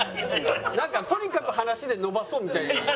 なんかとにかく話で延ばそうみたいになっちゃってる。